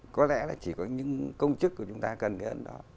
có lẽ là chỉ có những công chức của chúng ta cần cái ấn độ